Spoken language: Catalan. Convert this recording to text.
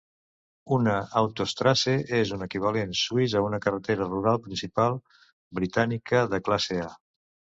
Una "Autostrasse" és un equivalent suïs a una carretera rural principal britànica de classe "A".